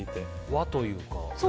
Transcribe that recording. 和というか。